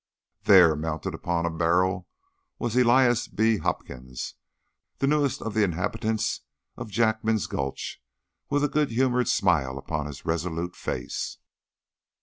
There, mounted upon a barrel, was Elias B. Hopkins, the newest of the inhabitants of Jackman's Gulch, with a good humoured smile upon his resolute face.